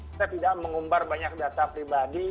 kita tidak mengumbar banyak data pribadi